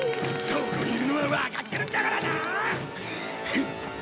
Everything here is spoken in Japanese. そこにいるのはわかってるんだからな！